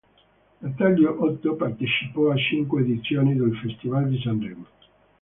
Natalino Otto partecipò a cinque edizioni del Festival di Sanremo.